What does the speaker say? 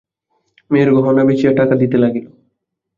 মেয়ের গহনা বেচিয়া টাকা দিতে লাগিল।